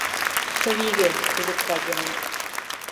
Чывиге! — лӱдыкта Генуш.